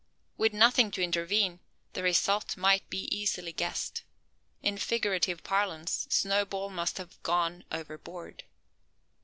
With nothing to intervene, the result might be easily guessed. In figurative parlance Snowball must have "gone overboard."